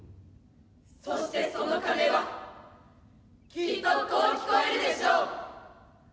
そしてその鐘はきっとこう聴こえるでしょう。